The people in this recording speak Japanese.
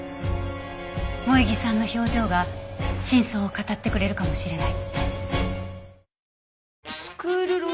萌衣さんの表情が真相を語ってくれるかもしれない。